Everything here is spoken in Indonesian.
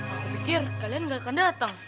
aku pikir kalian gak akan datang